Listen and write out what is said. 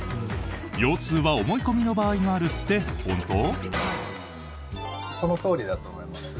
腰痛は思い込みの場合があるって本当？